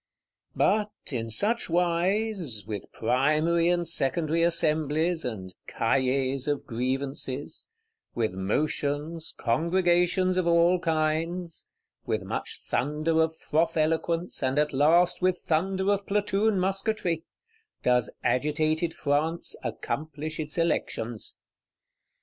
But, in such wise, with primary and secondary Assemblies, and Cahiers of Grievances; with motions, congregations of all kinds; with much thunder of froth eloquence, and at last with thunder of platoon musquetry,—does agitated France accomplish its Elections.